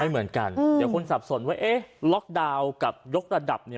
เหมือนกันเดี๋ยวคนสับสนว่าเอ๊ะล็อกดาวน์กับยกระดับเนี่ย